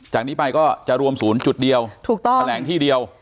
จากนี้ไปก็จะรวมศูนย์จุดเดียวแหล่งที่เดียว